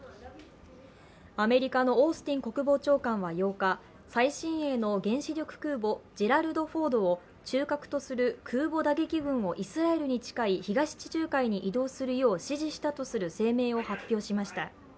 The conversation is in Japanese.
アメリカのオースティン国防長官は８日、最新鋭の原子力空母「ジェラルド・フォード」を中核とする空母打撃群をイスラエルに近い東地中海に移動するよう指示したとする声明を発表しました。